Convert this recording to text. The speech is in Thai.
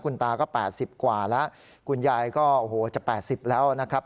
คุณตาก็๘๐กว่าแล้วคุณยายก็โอ้โหจะ๘๐แล้วนะครับ